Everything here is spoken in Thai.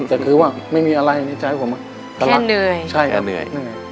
แต่คือว่าไม่มีอะไรในใจผมกำลังเหนื่อยใช่อ่ะเหนื่อยเหนื่อย